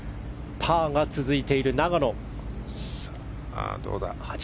パーが続いている永野。